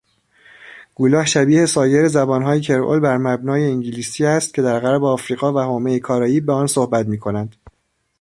Gullah شبیه سایر زبانهای کرئول بر مبنی انگلیسی است که در غرب آفریقا و حومه کاراییب به آن صحبت میکنند.